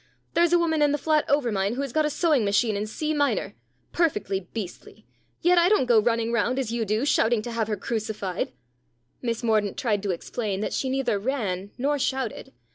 There's a woman in the flat over mine who has got a sewing machine in C minor. Perfectly beastly. Yet I don't go running round, as you do, shouting to have her crucified." Miss Mordaunt tried to explain that she neither ran nor shouted.